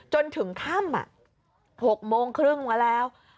จนถึงค่ำ๖โมงครึ่งมาแล้ว